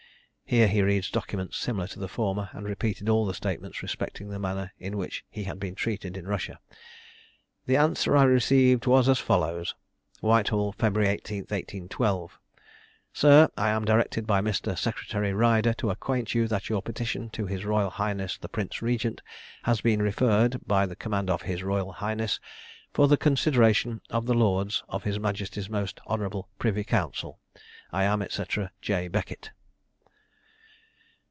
(Here he read documents similar to the former, and repeated all the statements respecting the manner in which he had been treated in Russia.) The answer I received was as follows: "'Whitehall, Feb. 18, 1812. "'SIR, I am directed by Mr. Secretary Ryder to acquaint you that your petition to his royal highness the Prince Regent has been referred, by the command of his royal highness, for the consideration of the lords of his majesty's most honourable privy council. 'I am, &c. 'J. BECKETT.'